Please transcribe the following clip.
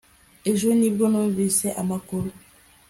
Ejo ni bwo numvise amakuru